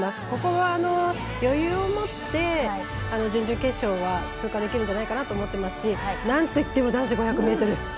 ここは、余裕を持って準々決勝は通過できるんじゃないかなと思ってますしなんといっても男子５００ｍ。